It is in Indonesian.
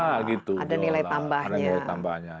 ada nilai tambahnya